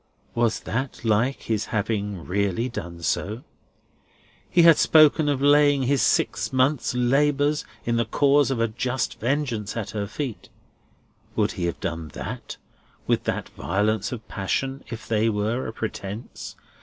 Was that like his having really done so? He had spoken of laying his six months' labours in the cause of a just vengeance at her feet. Would he have done that, with that violence of passion, if they were a pretence?